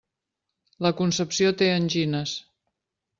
La Concepció té angines.